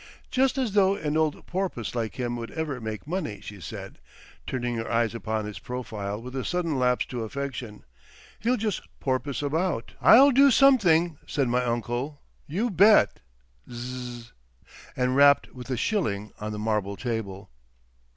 "Just as though an old Porpoise like him would ever make money," she said, turning her eyes upon his profile with a sudden lapse to affection. "He'll just porpoise about." "I'll do something," said my uncle, "you bet! Zzzz!" and rapped with a shilling on the marble table.